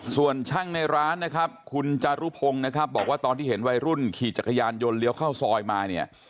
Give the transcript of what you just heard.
ส่วนช่างในร้านนะครับคุณจารุพงศ์นะครับบอกว่าตอนที่เห็นวัยรุ่นขี่จักรยานยนต์เลี้ยวเข้าซอยมาเนี่ย